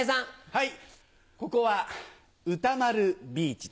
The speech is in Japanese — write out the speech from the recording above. はい。